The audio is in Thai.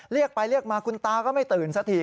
เรียกไปเรียกมาคุณตาก็ไม่ตื่นสักที